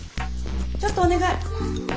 ちょっとお願い。